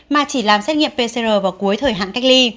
mà chỉ làm xét nghiệm pcr vào cuối thời hạn cách ly